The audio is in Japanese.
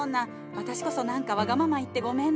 私こそ何かわがまま言ってごめんね。